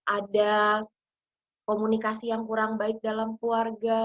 ada komunikasi yang kurang baik dalam keluarga